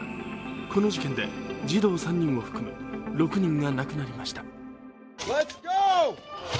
この事件で児童３人を含む６人が亡くなりました。